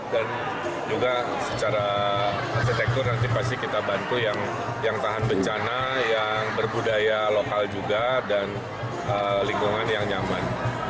dan juga secara arsitektur nanti pasti kita bantu yang tahan bencana yang berbudaya lokal juga dan lingkungan yang nyaman